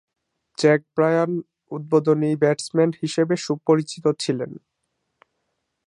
Jack Brian উদ্বোধনী batsman হিসেবে সুপরিচিত ছিলেন।